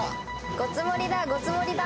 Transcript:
ごつ盛りだごつ盛りだ。